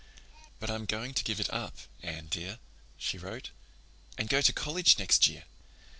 "But I'm going to give it up, Anne dear," she wrote, "and go to college next year.